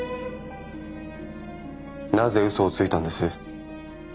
なぜ嘘をついたんです？